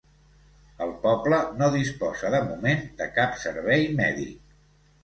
El poble no disposa de moment de cap servei mèdic.